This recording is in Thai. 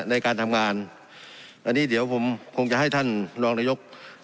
ในการทำงานอันนี้เดี๋ยวผมคงจะให้ท่านรองนายก